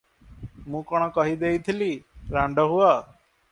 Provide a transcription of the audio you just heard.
ମୁଁ କଣ କହି ଦେଇଥିଲି, ରାଣ୍ଡ ହୁଅ?